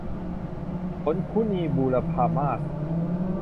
ผลคุนีบูรพมาส